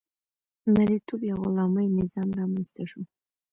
مرئیتوب یا غلامي نظام رامنځته شو.